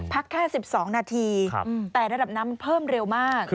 แค่๑๒นาทีแต่ระดับน้ำมันเพิ่มเร็วมาก